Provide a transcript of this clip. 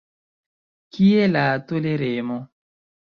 Kie la toleremo?